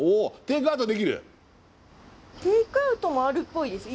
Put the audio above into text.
テイクアウトもあるっぽいです